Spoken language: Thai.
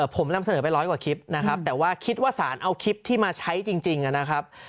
ผมนำเสนอไปร้อยกว่าคลิปนะครับแต่ว่าคิดว่าสารเอาคลิปที่มาใช้จริงนะครับ